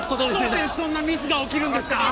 なぜそんなミスが起きるんですか？